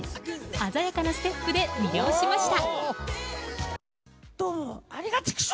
鮮やかなステップで魅了しました。